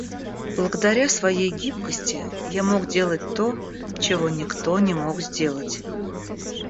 Благодаря своей гибкости, я мог делать то, чего никто не мог сделать.